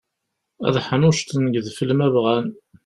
Ad ḥnuccḍen deg udfel ma bɣan.